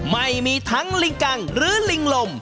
ไม่มีทั้งลิงกังหรือลิงลม